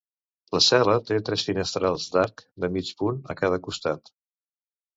La cel·la té tres finestrals d'arc de mig punt a cada costat.